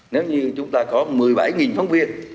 nếu như chúng ta có một mươi bảy phóng viên